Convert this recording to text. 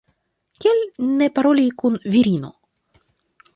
Kial ne paroli kun virino?